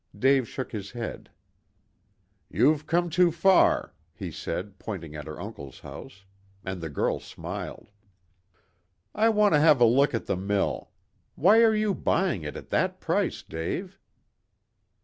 Dave shook his head. "You've come too far," he said, pointing at her uncle's house. And the girl smiled. "I want to have a look at the mill. Why are you buying it at that price, Dave?"